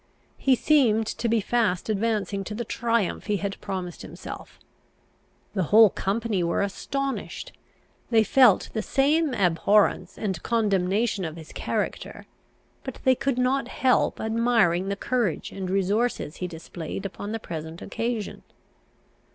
He seemed to be fast advancing to the triumph he had promised himself. The whole company were astonished. They felt the same abhorrence and condemnation of his character; but they could not help admiring the courage and resources he displayed upon the present occasion.